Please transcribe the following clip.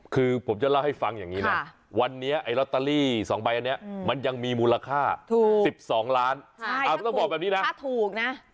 คือผมจะเล่าให้ฟังอย่างนี้นะวันนี้ไอ้ลอตเตอรี่๒ใบอันนี้มันยังมีมูลค่า๑๒ล้านต้องบอกแบบนี้นะถูกนะ